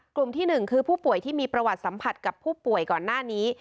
กลุ่มที่๑คือผู้ป่วยที่มีประวัติสัมผัสกับผู้ป่วยก่อนหน้านี้